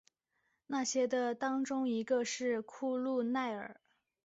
那些的当中一个是库路耐尔。